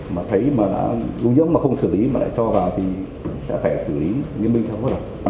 mà thấy mà đã lưu nhưỡng mà không xử lý mà lại cho vào thì sẽ phải xử lý nhân minh theo hóa lập